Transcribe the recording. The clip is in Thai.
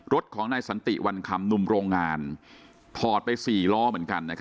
รถของนายสันติวันคำหนุ่มโรงงานถอดไป๔ล้อเหมือนกัน